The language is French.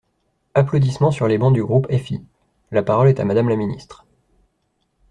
(Applaudissements sur les bancs du groupe FI.) La parole est à Madame la ministre.